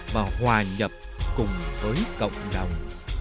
và hòa nhập cùng với cộng đồng